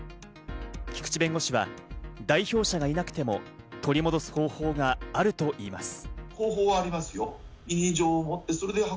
菊地弁護士は代表者がいなくても取り戻す方法があるといいます。